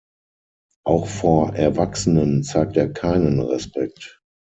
Auch vor Erwachsenen zeigt er keinen Respekt.